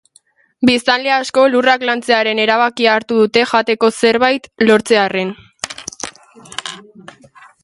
Biztanle askok lurrak lantzearen erabakia hartu dute jateko zerbait lortzearren.